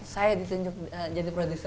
saya ditunjuk jadi produser